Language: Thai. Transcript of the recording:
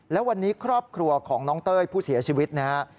และวันนี้ครอบครัวของน้องเต้ยผู้เสียชีวิตนะครับ